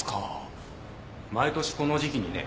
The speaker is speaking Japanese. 毎年この時季にね。